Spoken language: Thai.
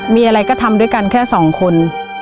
มีอะไรก็ทำด้วยกันแค่สองคน